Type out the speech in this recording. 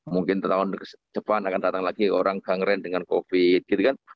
mungkin tahun depan akan datang lagi orang gangren dengan covid